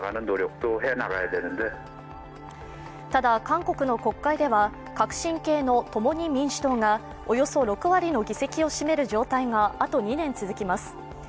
ただ、韓国の国会では革新系与党の共に民主党がおよそ６割の議席を占める状態が、あと２年続きます。